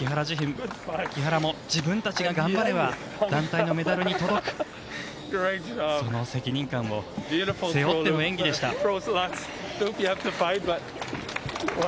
木原も、自分たちが頑張れば団体のメダルに届くその責任感を背負っての演技でした。